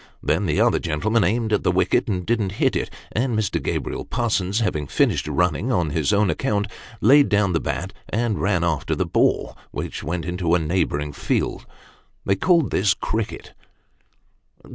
Then, the other gentleman aimed at the wicket, and didn't hit it ; and Mr. Gabriel Parsons, having finished running on his own account, laid down the bat and ran after the ball, which went into a neighbouring field. They called this cricket.